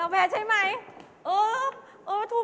๕๒บาท